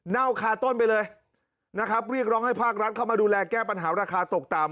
คาต้นไปเลยนะครับเรียกร้องให้ภาครัฐเข้ามาดูแลแก้ปัญหาราคาตกต่ำ